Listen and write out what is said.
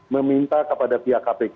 meminta kepada pihak kpk